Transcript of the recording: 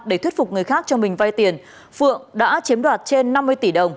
để thuyết phục người khác cho mình vay tiền phượng đã chiếm đoạt trên năm mươi tỷ đồng